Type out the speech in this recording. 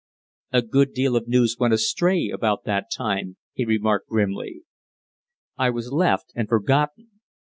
"A good deal of news went astray about that time," he remarked grimly. "I was left, and forgotten.